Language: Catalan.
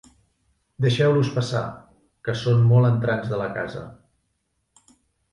Deixeu-los passar, que són molt entrants de la casa.